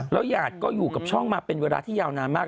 หยาดก็อยู่กับช่องมาเป็นเวลาที่ยาวนานมาก